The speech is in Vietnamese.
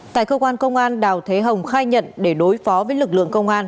tại cơ quan công an đào thế hồng khai nhận để đối phó với lực lượng công an